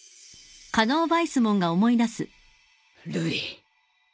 瑠璃。